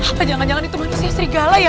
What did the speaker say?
apa jangan jangan itu manusia serigala ya